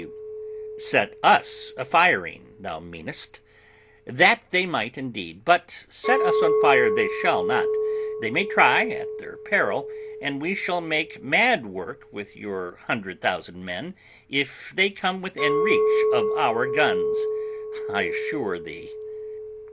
W. Set us a firing, thou meanest; that they might indeed; but set us on fire they shall not; they may try, at their peril, and we shall make mad work with your hundred thousand men, if they come within reach of our guns, I assure thee.